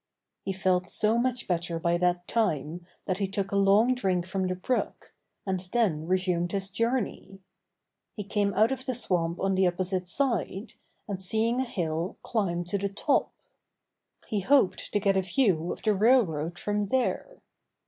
He felt so much better by that time that he took a long drink from the brook, and then resumed his journey. He came out of the swamp on the opposite side, and seeing a hill climbed to the top. He hoped to get a view of the railroad from there.